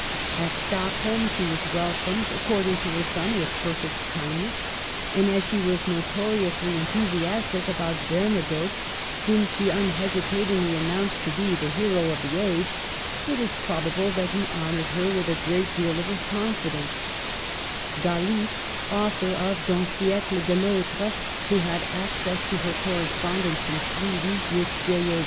At Stockholm she was welcomed, according to her son, with " perfect kindness "; and as she was notoriously enthusiastic about Bernadotte, whom she unhesitatingly pronounced to be " the hero of the age," it is probable that he honored her with a great deal of his confidence^ Galiffe (author of Uun Steele d F autre), who had access to her correspondence from Sweden with J. A.